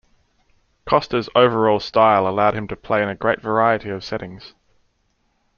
Costa's overall style allowed him to play in a great variety of settings.